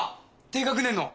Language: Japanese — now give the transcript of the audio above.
低学年の。